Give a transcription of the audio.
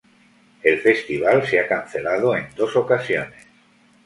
El festival se ha cancelado en dos ocasiones.